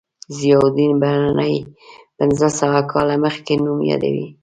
ضیاءالدین برني پنځه سوه کاله مخکې نوم یادوي.